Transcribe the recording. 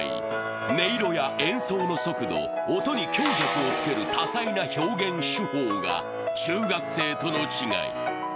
音色や演奏の速度、音に強弱をつける多彩な表現手法が中学生との違い。